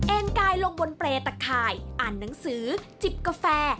กายลงบนเปรย์ตะข่ายอ่านหนังสือจิบกาแฟ